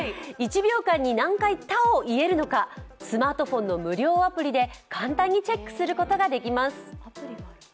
１秒間に何回「タ」を言えるのかスマートフォンの無料アプリで簡単にチェックすることができます。